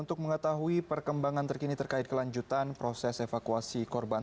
untuk mengetahui perkembangan terkini terkait kelanjutan proses evakuasi korban